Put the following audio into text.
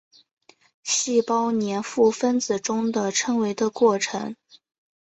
细胞黏附分子中的称为的过程。